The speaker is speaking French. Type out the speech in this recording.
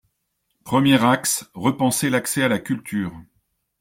Premier axe : repenser l’accès à la culture.